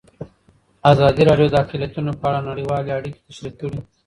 ازادي راډیو د اقلیتونه په اړه نړیوالې اړیکې تشریح کړي.